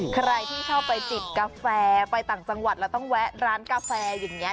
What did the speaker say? ใครที่ชอบไปจิบกาแฟไปต่างจังหวัดแล้วต้องแวะร้านกาแฟอย่างนี้